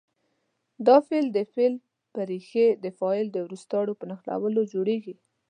دا فعل د فعل په ریښې د فاعل د روستارو په نښلولو جوړیږي.